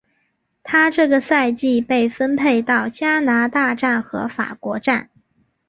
她这个赛季被分配到加拿大站和法国站。